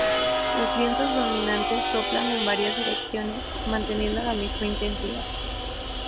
Los vientos dominantes soplan en varias direcciones, manteniendo la misma intensidad.